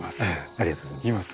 ありがとうございます。